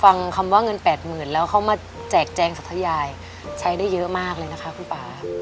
ฟังคำว่าเงินแปดหมื่นแล้วเขามาแจกแจงสัทยายใช้ได้เยอะมากเลยนะคะคุณป่า